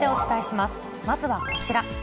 まずはこちら。